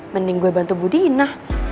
mending gue bantu bu dina